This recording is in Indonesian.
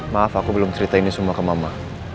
maaf aku belum cerita ini semua ke mama